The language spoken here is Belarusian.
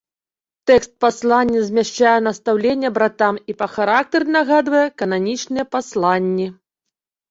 Тэкст паслання змяшчае настаўленне братам і па характары нагадвае кананічныя пасланні.